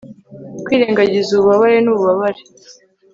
kwirengagiza ububabare n'ububabare